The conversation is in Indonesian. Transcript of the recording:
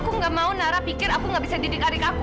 aku gak mau nara pikir aku nggak bisa didik adik aku